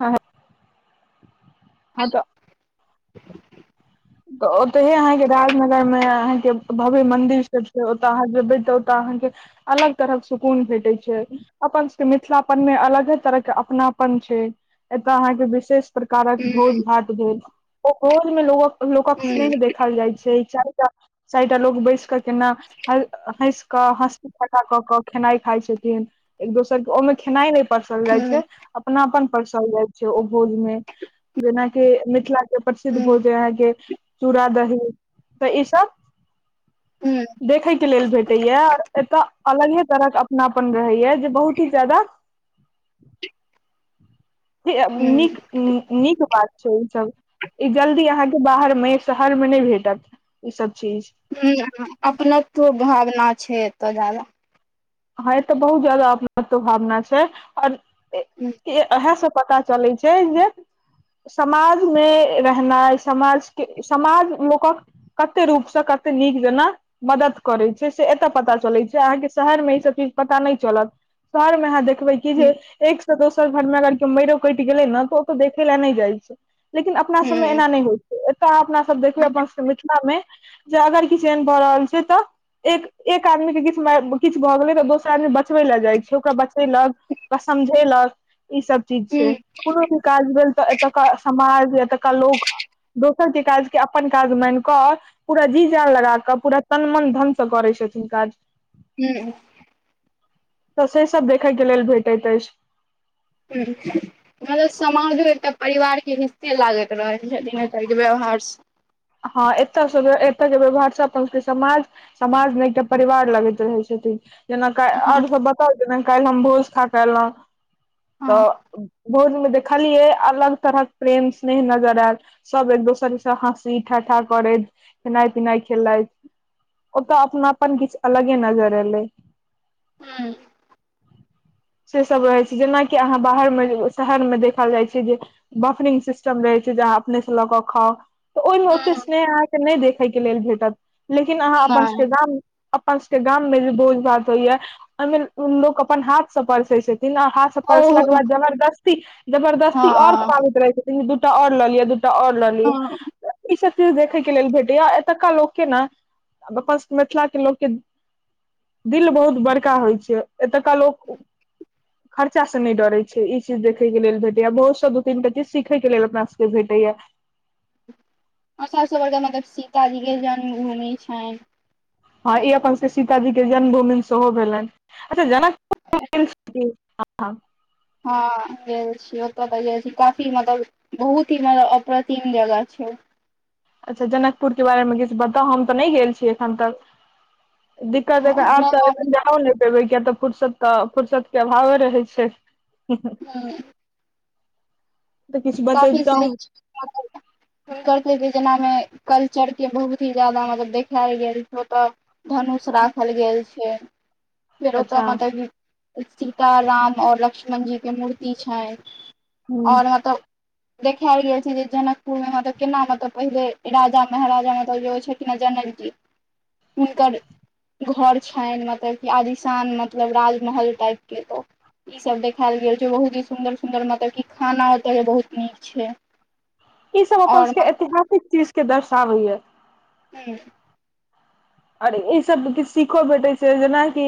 हँ हँ हँ तऽ [inaudible] तऽ ओतहे अहाँके राजनगर मे अहाँके भव्य मंन्दिर सब छै ओतऽ अहाँ जेबै तऽ ओतय अहाँके अलग तरहक सुकून भेटै छै। अपन सबके मिथिलापन मे अलगे तरह के अपनापन छै एतय अहाँके विशेष प्रकारक ह्म भोज भात भेल ओ भोज मे लोगक लोकक स्नेह ह्म देखल जाइ छै चारि चारिटा लोग बैसि कऽ केना हँसि कऽ हँसी फटा कऽ कऽ खेनाइ खाइ छथिन एक दोसर के ओहिमे खेनाइ नय। परसल जाइ छै अपनापन परसल जाइ छै ओ भोज मे जेनाकि मिथिला के प्रसिद्ध ह्म भोज अय अहाँके चूड़ा दही तऽ ई सब हुँ देखै के लेल भेटैये एतय अलग हे तरह के अपनापन रहैये जे बहुत ही ज्यादा [inaudible] ह्म नीक नीक बात छै ई सब ई जल्दी अहाँ के बाहर मे शहर मे नय भेटत ई सब चीज। हुँ अपनत्व भावना छै एतऽ जादा। हँ एतऽ बहुत जादा अपनत्व भावना छै आओर ह्म इहे सब पता चलै छै जे समाजमे रहनाइ समाजके समाज लोकक कते रूप से कते नीक जेना मदद करै छै से एतऽ पता चलै छै अहाँ के शहर मे ई सब सब चीज पता नहि चलत शहरमे अहाँ देखबै कि जे एक सँ दोसर घर मे अगर केओ मइरो कटि गेलै ने तऽ ओतऽ देखै लै नय जाइ छै। लेकिन अपना सबमे ह्म एना नय होइ छै एतऽ अपना सब देखबै अपन सबके मिथिला मे जे अगर किछु एहन भऽ रहल छै तऽ एक एक आदमी के किछु किछु भऽ गेलै तऽ दोसर आदमी बचबै ले जाइ छै ओकरा बचेलक ओकरा समझेलक ई सब चीज छै कोनो भी काज भेल तऽ एतका समाज एतका लोक दोसर के काजके अपन काज मानिकऽ पूरा जी जान लगा कऽ पूरा तनमन धनसँ करै छथिन काज। हुँ। तऽ से सब देखैइके लेल भेटैत अछि। उंम्म हुँ [inaudible] मतलब समाजो एकटा परिवार के हिस्से लागैत रहै छथिन एतऽ के व्यवहार स हँ एतयसँ एतय जेबै भाषा अपन के समाज समाज नै एक टा परिवार लगैत रहै छथिन। जेना क हँ आर सब बताउ जेना काल्हि हम भोज खा के आयलौं हँ तऽ भोज मे देख लियै अलग तरहक प्रेम स्नेह नजर आयल सब एक दोसर से हस् सी् ठठा करैत खेनाइ पिनाइ खेलैथ ओतऽ अपनापन किछ अलगे नजर एलै हँ से सब रहै छै जेनाकि अहाँ बाहर मे शहर मे देखल जाइ छै जे बफरिंग सिस्टम रहै छै जाउ अपने से लऽ क खाउ ओइमे ओते स्नेह अहाँके नै देखै के लेल भेटत लेकिन अहाँ अपनके सभक हँ गाम अपन सबके गाम में जे भोज भात होइया ओहिमे लोक अपन हाथ स परसै छथिन आ हाथ स परसला के ओहो बाद जबरदस्ती जबरदस्ती आओर हँ खुआबैत रहै छथिन दूटा और लऽ लिअ दू टा आओर ल लिय हँ चीज देखै के लेल भेटैए एतुका लोक के ने अपन सब के मिथिला के लोक के दिल बहुत बड़का होइ छै एतुका लोक खर्चा स नय डरै छि ई चीज देखय के लेल भेटैया बहुत स दू तीन टा चीज सीखय के लेल अपना सबके भेटैया [inaudible] सीताजी के जन्म भूमि छनि हँ ई अपन सबके सीताजी के जन्म भूमि सेहो भेलनि। अच्छा जनकपुर गेल छि की [unintelligible] हँ गेल छी ओत त गेल छी काफी मतलब बहुत ही [unintelligible] अप्रतिम जगह छै ओ अच्छा जनकपुर के बारेमे किछ बताउ हम तऽ नहि गेल छियै एखन तक दिक्कत हेतै हँ आब नहि त हम- [unintelligible] [unintelligible] फुरसत के अभावे रहै छै हं तऽ किछु काफी सह [unintelligible] बतैबतहुँ [unintelligible] जेनामे कल्चरके बहुत ही ज्यादा मतलब देखाया [unintelligible] धनुष राखल गेल छै फेर ओतऽ अच्छा माता जी सीता राम आओर लक्ष्मण जी के मूर्ति छै ह आओर अतऽ देखेयल गेल छै जे जनकपुर मे मतलब केना मतलब पहिले राजा महाराजा मतलब जे छै जनक जी हुनकर घर छैन मतलब की आलिशान मतलब राजमहल टाइप के त ई सब देखाल गेल छै बहुत ही सुंदर सुंदर मतलब की खाना बहुत नीक छै इ सब अपन और सब के ऐतिहासिक चीज के दर्शाबै याऽ हूं आर ई सब किछ सिखो भेटै छै जेनाकि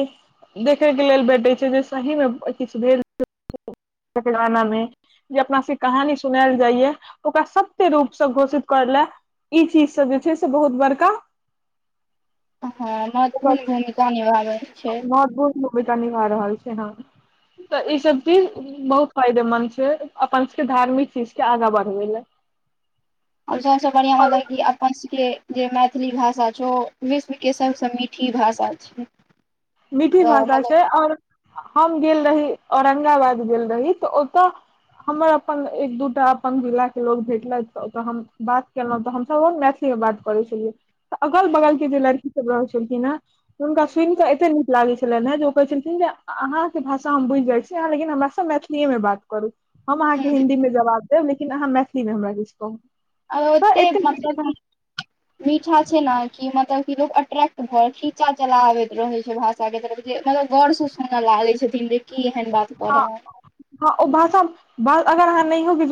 देखझ के लेल भेटै छै जे सही मे किछ भेल [unintelligible] जे अपना सबके कहानी सुनायल जाइय ओकरा सत्य रूपसँ घोषित करै लए ई चीज सब जे छै से बहुत बड़का हं महत्वपूर्ण भूमिका निभाबै छै बहुत [unintelligible] भूमिका निभा रहल छै ह तऽ ई सब चीज बहुत फायदेमंद छै अपन सबके धार्मिक चीज के आगा बढ़बै लय आओर सबसँ बढ़ियाँ हमरा लगैये कि अपन सबके जे मैथिली भाषा छौ ओ विश्व के सबसँ मीठ ठी भाषा छै। मीठी तऽ भाषा मतलब छै आओर हम गेल रही औरंगाबाद गेल रही तऽ ओतऽ हमर अपन एक दूटा अपन जिला के लोग भेटलैथ तऽ ओतऽ हम बात केलौं तऽ हमसब अपन मैथिली बात करै छेलियै तऽ अगल बगल के जे लड़की सब रहै छेलखिन हेँ तऽ हुनका सुनिकऽ एते अते नीक लागै छेलैन हेँ जे ओ कहै छेलखिन जे अहाँके भाषा हम बुझि जाइ छी आहाँ लेकिन हमरासँ मैथिलीऐ मे बात करू हम अहाँके हिन्दीमे जवाब देब लेकिन अहाँ मैथिलीमे हमरा किछु कहू आ तऽ ओते एतेक मतलब मीठी भाषा की मीठा छै न कि मतलब की लोग अट्रैक्ट भऽ खीचा चला आबैत रहै छै भाषा के तरफ जे मतलब गौर सँ सुनऽ लागै छथिन जे की एहन बात कऽ हँ रहल हँ ओ भाषा। बात अगर अहाँ नहियों किछ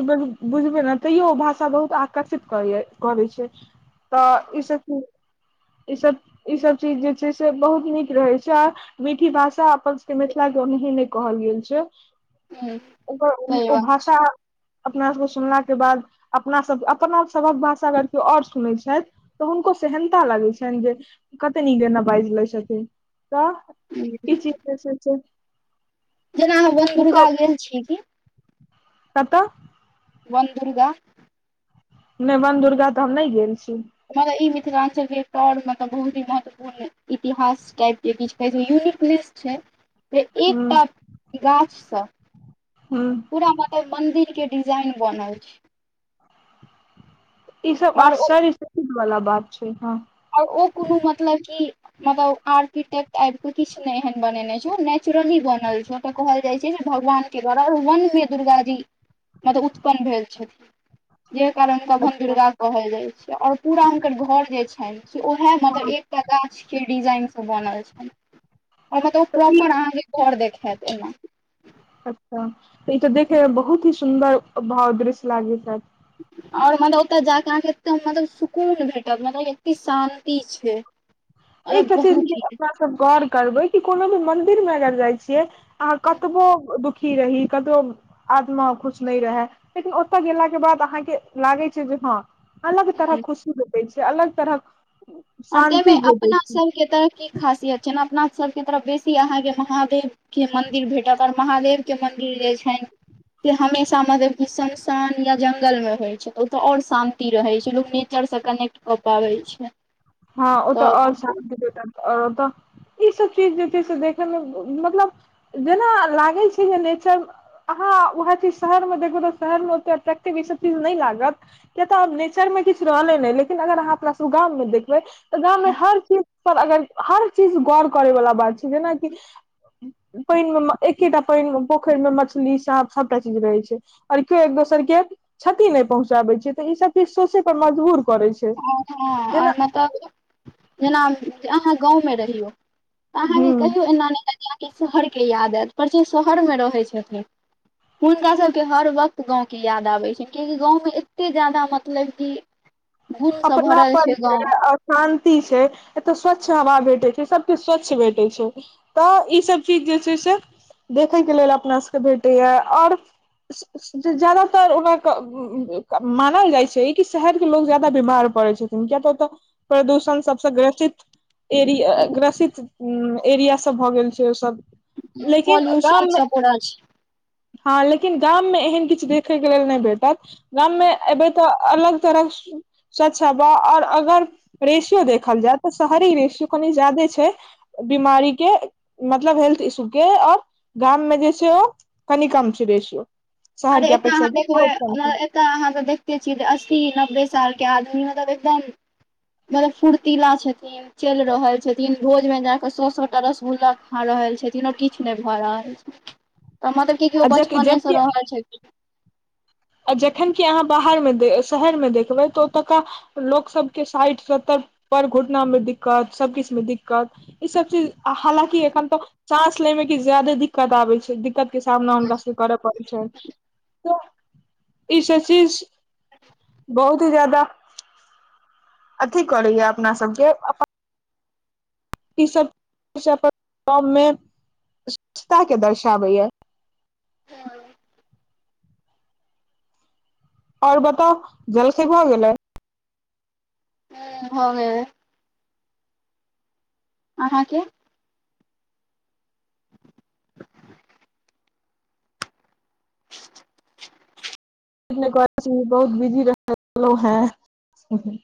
बुझबै न तैयो ओ भाषा बहुत आकर्षित करैये करै छै। तऽ ईसभ की ईसभ ई सब चीज जे छै से बहुत नीक रहै छै आ मीठी भाषा अपन सबके मिथिलाके ओनाहींये नय कहल गेल छै ह ओकर सही ओ बात भाषा अपना सभके सुनलाके बाद अपनासभ अपनासभक भाषा अगर क्यो आओर सुनै छैथ। तऽ हुनको सेहन्ता लगै छैन जे कते नीक एना बाजि लै छथिन। तऽ ई छै। चीज जे छै से जेना अहाँ बन हुनकर दुर्गा गेल छियै की कतऽ वन दुर्गा नय वन दुर्गा तऽ हम नय गेल छी। मतलब ई मिथिलाञ्चलके एकटा आओर मतलब बहुत ही महत्वपूर्ण पूर्ण इतिहास टाइप के किछ कहै छै यूनिक नेस छै। हूँ एकटा गाछसँ हूँ पूरा मन् मंदिर के डिजाइन बनल छै। ई सब आओर ओ आश्चर्य चकित बला बात छै हाँ आओर ओ कोनो मतलब की मतलब आर्किटेक्ट आइब के किछु नहि एहन बनेने छै ओ नेचुरली बनल छै ओतऽ कहल जाइ छै जे भगवान के द्वारा वनमे दुर्गाजी मतलब उत्पन्न भेल छथिन इहे कारण हुनका वन अच्छा दुर्गा कहल जाय छै आओर पूरा हुनकर घर जे छैन से उहे हँ मतलब एकटा गाछ के डिजाइन सँ बनल छै आओर मतलब तऽ ई प्रॉपर अहाँके घर देखैत एना। अच्छा ई तऽ देखैमे बहुत ही सुन्दर भाव दृश्य लागैत हैत। आओर मतलब ओतऽ जाक अहाँके एकदम मतलब सुकून भेटत मतलब एते शान्ति छै। [inaudible] एकटा चीज के बहुत ही अपना सब गौर करबै कि कोनो भी मंदिर मे अगर जाइ छियै। आ कतबो दुखी रही कतबो आत्मा खुश नहि रहै लेकिन ओतऽ गेलाके बाद अहाँके लागै छै जे हँ अलग तरहक ह खुशी भेटै छै अलग तरहक आओर तै मे शान्ति भेटै अपना छै सब के तऽ की खासियत छै न अपना सभके तरफ बेसी अहाँके महादेव के मंन्दिर भेटत आओर महादेव के मंन्दिर जे छनि के हमेशा मतलब कि सुनसान या जंगल मे होइ छै ओतऽ आओर शांत ति रहै छै लोक नेचर सँ कनेक्ट कऽ पाबै छै। हँ ओ तऽ आओर शांत [unintelligible] आओर ओतऽ ईसभ चीज जे छै से देखयमे मतलब जेना लागै छै जे नेचर। अहं उएह चीज शहर मे देखू तऽ शहर मे ओते अट्रैक्टिव ई सब चीज नै लागत। किया तऽ आब नेचर मे किछ रहलै नहि लेकिन अगर अहाँ अपना सभ गाम मे देखबै तऽ गाममे हर चीज पर अगर हर चीज गौर करै वाला बात छै जेनाकि पानि मे एकेटा पानि मे पोखरि मे मछली सांप सबटा चीज रहै छै। अरखे एक दोसर के क्षति नहि पहुंचाबै छै त इ सब चीज सोचै पर मजबूर करै छै। हँ हं अय जेना मे त जेना अहाँ गाँवमे रहियौ। तऽ अहाँकेँ हूँ कहियौ एना नय हेएत अहाँ शहरके याद आयत पर जे शहरमे रहै छथिन। हुनका सभके हर वक्त गाँव के याद आबै छैन कियाकि गाँव मे एतेऽ ज्यादा मतलब कि गुणसँ भरल अपनापन छै गाँव शान्ति छै एतय स्वच्छ हवा भेटै छै सब किछ स्वच्छ भेटै छै। तऽ ईसभ चीज जे छै से देखयके लेल अपना सभके भेटैया आओर ज़्यादातर ओकरा मानल जाइ छै कि शहर के लोग ज्यादा बीमार पड़ै छथिन किया तऽ ओतऽ प्रदूषण सबस ग्रसित एरिया ग्रसित एरिया सब भऽ गेल छै ओ सब। पॉल्यूशन सब पूरा छै। हँ लेकिन गाममे एहन किछ देखै के लेल नय भेटत गाम मे एबै तऽ अलग तरह स्वच्छ हवा आओर अगर रेेशियो देखल जाय तऽ शहरी रेेशियो कनि जादे छै। बीमारी के मतलब हेल्थ इशू के आओर गाम मे जे छै ओ कनि कम छै रेेशियो। अरे ऐत आहा देखबे। उमहर एत तऽ अहाँ सब देखते छियै तऽ अस्सी नब्बे साल के आदमी मतलब एकदम मतलब फुर्तिला छथिन। चलि रहल छथिन रोज में जा कऽ सए सए टा रसगुल्ला खा रहल छथिन आर किछु नहि भऽ रहल छै हममा त की केओ बचपने जबकि से रहल छै। आ जखन की अहाँ बाहरमे शहरमे देखबै तऽ ओतुका लोक सबके साठि सत्तर पर घुटना मे दिक्कत सबकछु में दिक्कत ई सब चीज हालकि एखन तो सााँस ले मे की ज्यादे दिक्कत आबे छै। दिक्कत के सामना हुनका से करऽ पड़ै छैन त। ई सब चीज बहुत ही ज्यादा अथी करैय अपना सबके। ई सब सब गाम में स्वछता के दर्शाबै य। हँ। आओर बताऽ जलखै भ गेलै। हूं भऽ गेलै अहाँके [unintelligible] बहुत बिजी रहेलौं हें।